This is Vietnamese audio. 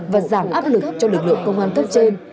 và giảm áp lực cho lực lượng công an cấp trên